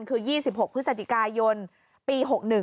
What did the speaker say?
คือ๒๖พฤศจิกายนปี๖๑